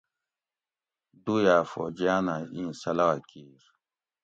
دوئ ھا فوجیان ھہ ایں صلاح کیِر